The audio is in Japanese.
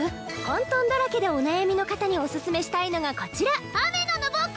・混とんだらけでお悩みの方にオススメしたいのがこちら！